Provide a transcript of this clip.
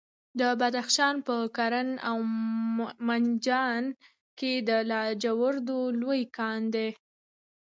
د بدخشان په کران او منجان کې د لاجوردو لوی کان دی.